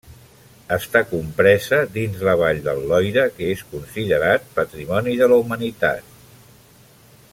Està compresa dins la Vall del Loira que és considerat Patrimoni de la Humanitat.